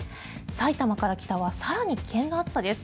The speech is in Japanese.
埼玉から北は更に危険な暑さです。